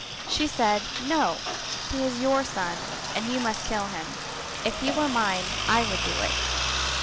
She said, "No: he is your son and you must kill him; if he were mine I would do it.